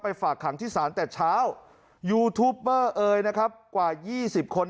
ไปฝากหางที่ศาลแต่เช้ายูทูปเปอร์เอ๋ยนะครับกว่ายี่สิบคน